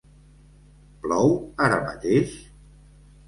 Plou ara mateix?